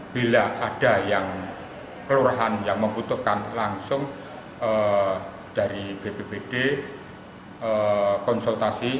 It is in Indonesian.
bila ada yang kelurahan yang membutuhkan langsung dari bpbd konsultasi